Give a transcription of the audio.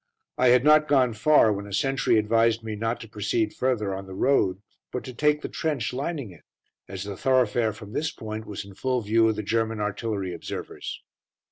I had not gone far when a sentry advised me not to proceed further on the road, but to take to the trench lining it, as the thoroughfare from this point was in full view of the German artillery observers.